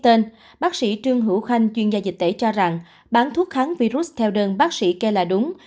trên bác sĩ trương hữu khanh chuyên gia dịch tễ cho rằng bán thuốc kháng virus theo đơn bác sĩ kê là đúng